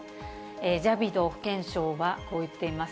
ジャビド保健相はこう言っています。